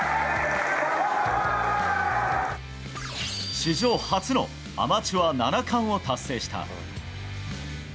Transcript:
史上初のアマチュア７冠を達成した。